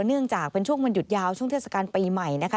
เนื่องจากเป็นช่วงวันหยุดยาวช่วงเทศกาลปีใหม่นะคะ